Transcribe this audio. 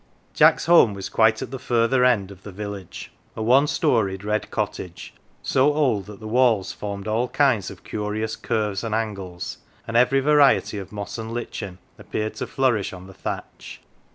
Jack's home was quite at the further end of the village a one storied red cottage, so old that the walls formed all kinds of curious curves and angles, and every variety of moss and lichen appeared to flourish on the thatch.